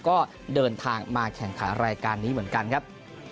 ก็เดินทางมาแข่งขันรายการนี้เหมือนกันครับ